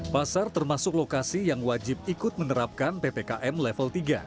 pasar termasuk lokasi yang wajib ikut menerapkan ppkm level tiga